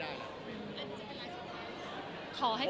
แต่แบบนี้ค่ะ